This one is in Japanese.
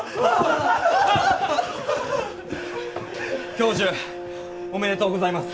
教授おめでとうございます！